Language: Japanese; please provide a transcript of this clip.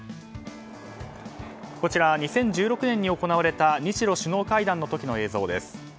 こちら、２０１６年に行われた日露首脳会談の時の映像です。